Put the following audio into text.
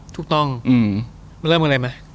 ถูกต้องเราเริ่มกันเลยไหม